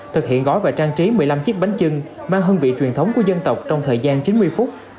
thực hiện gói và trang trí một mươi năm chiếc bánh trưng mang hương vị truyền thống của dân tộc trong thời gian chín mươi phút